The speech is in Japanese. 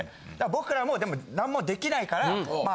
僕らもでもなんもできないから。